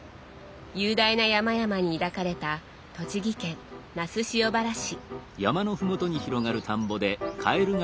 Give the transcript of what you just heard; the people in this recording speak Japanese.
雄大な山々に抱かれた栃木県那須塩原市。